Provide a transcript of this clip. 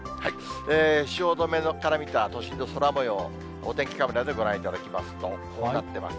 汐留から見た都心の空もよう、お天気カメラでご覧いただきますと、こうなってます。